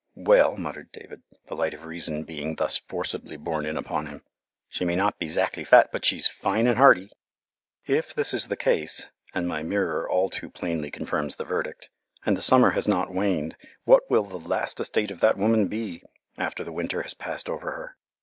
"Well," muttered David, the light of reason being thus forcibly borne in upon him, "she may not be 'zactly fat, but she's fine and hearty." [Illustration: NOT FAT, BUT FINE AND HEARTY] If this is the case, and my mirror all too plainly confirms the verdict, and the summer has not waned, what will the "last estate of that woman be," after the winter has passed over her?